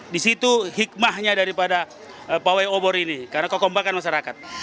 di situ hikmahnya daripada pawai obor ini karena kekompakan masyarakat